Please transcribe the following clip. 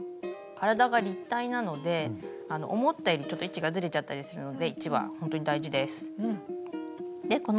体が立体なので思ったよりちょっと位置がずれちゃったりするので位置はほんとに大事です。